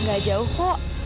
gak jauh kok